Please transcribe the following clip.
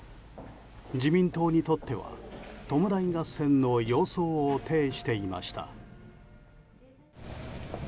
自民党にとっては弔い合戦の様相を呈していました。